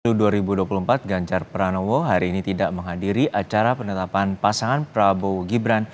dua ribu dua puluh empat ganjar pranowo hari ini tidak menghadiri acara penetapan pasangan prabowo gibran